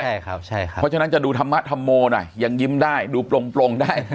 เพราะฉะนั้นจะดูธรรมธรรโมหน่อยยังยิ้มได้ดูปลงได้